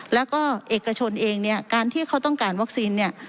แล้วก็เอกชนเองการที่เขาต้องการวัคซีน